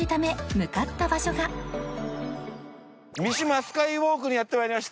三島スカイウォークにやって参りました。